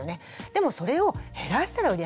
でもそれを減らしたら売り上げが上がる。